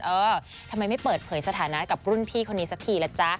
เออทำไมไม่เปิดเผยสถานะกับรุ่นพี่คนนี้สักทีล่ะจ๊ะ